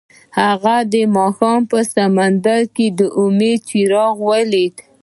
هغه د ماښام په سمندر کې د امید څراغ ولید.